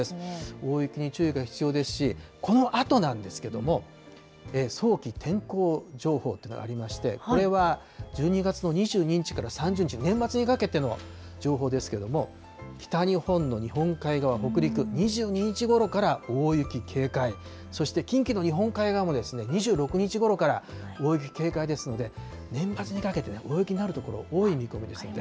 大雪に注意が必要ですし、このあとなんですけれども、早期天候情報っていうのがありまして、これは１２月の２２日から３０日、年末にかけての情報ですけれども、北日本の日本海側、北陸、２２日ごろから大雪警戒、そして近畿の日本海側も２６日ごろから大雪警戒ですので、年末にかけて大雪になる所、多い見込みですので。